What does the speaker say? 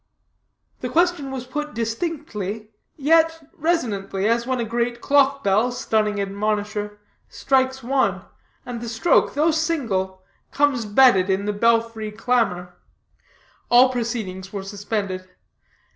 The question was put distinctly, yet resonantly, as when a great clock bell stunning admonisher strikes one; and the stroke, though single, comes bedded in the belfry clamor. All proceedings were suspended.